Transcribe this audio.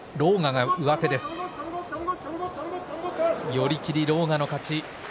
寄り切り、狼雅の勝ち。